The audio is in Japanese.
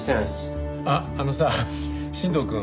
あっあのさあ新藤くん。